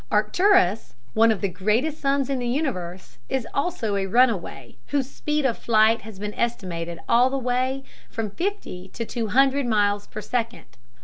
Arcturus, one of the greatest suns in the universe, is also a runaway, whose speed of flight has been estimated all the way from fifty to two hundred miles per second.